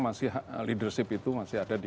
masih leadership itu masih ada di